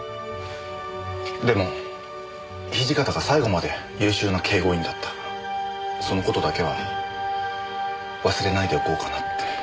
でも土方が最後まで優秀な警護員だったその事だけは忘れないでおこうかなって。